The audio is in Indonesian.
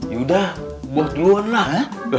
yaudah buat duluan lah